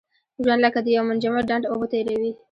ژوند لکه د یو منجمد ډنډ اوبه تېروي.